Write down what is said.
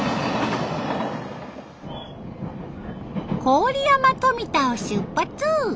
郡山富田を出発！